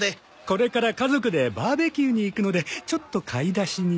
これから家族でバーベキューに行くのでちょっと買い出しに。